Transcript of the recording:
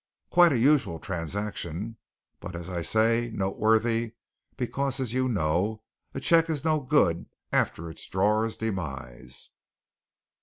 "Quite a usual transaction, but, as I say, noteworthy, because, as you know, a cheque is no good after its drawer's demise."